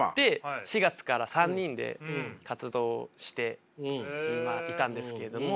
４月から３人で活動していたんですけども。